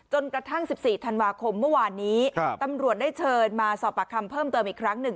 กระทั่ง๑๔ธันวาคมเมื่อวานนี้ตำรวจได้เชิญมาสอบปากคำเพิ่มเติมอีกครั้งหนึ่ง